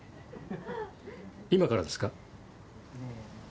今からですか？